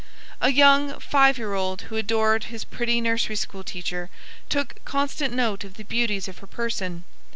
A young five year old who adored his pretty nursery school teacher took constant note of the beauties of her person.